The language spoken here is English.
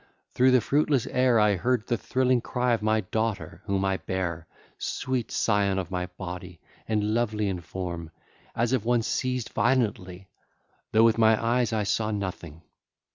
Through the fruitless air I heard the thrilling cry of my daughter whom I bare, sweet scion of my body and lovely in form, as of one seized violently; though with my eyes I saw nothing.